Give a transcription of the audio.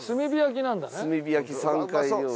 炭火焼き山海料理。